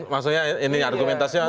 maksudnya ini argumentasinya